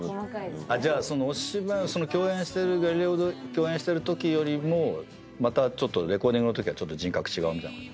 じゃあお芝居『ガリレオ』で共演してるときよりもまたちょっとレコーディングのときは人格違うみたいな感じ？